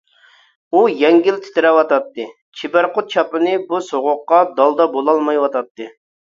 ئۇ يەڭگىل تىترەۋاتاتتى، چىبەرقۇت چاپىنى بۇ سوغۇققا دالدا بولالمايۋاتاتتى.